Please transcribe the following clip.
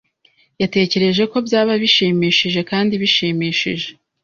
Yatekereje ko byaba bishimishije kandi bishimishije.